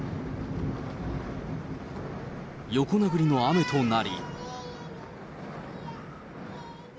横殴りの雨となり。